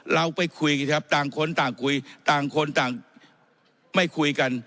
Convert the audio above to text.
เราไปคุยกันครับต่างคนต่างคุยต่างคนต่างไม่คุยกัน